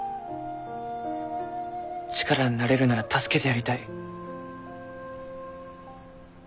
力になれるなら助けてやりたい。